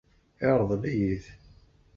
Yeṛḍel-iyi-t.